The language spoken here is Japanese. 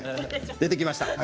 出てきました。